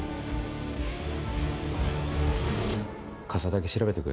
傘だけ調べとく？